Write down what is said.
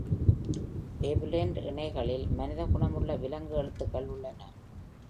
Fabuland இணைகளில் மனித குணமுள்ள விலங்கு எழுத்துக்கள் உள்ளன.